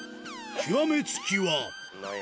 極め付きは。